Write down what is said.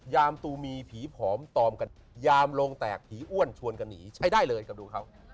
ยามตูมีผีผอมตอมกันยามโลงแตกผีอ้วนชวนกันหนีใช้ได้เลยกับดูเขา